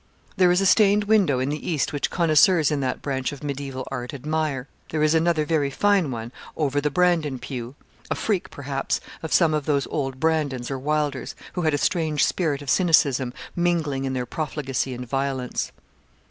There is a stained window in the east which connoisseurs in that branch of mediaeval art admire. There is another very fine one over the Brandon pew a freak, perhaps, of some of those old Brandons or Wylders, who had a strange spirit of cynicism mingling in their profligacy and violence.